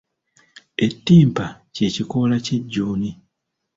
Ettimpa ky'ekikoola ky'ejjuuni.